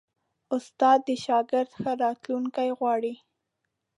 استاد د شاګرد ښه راتلونکی غواړي.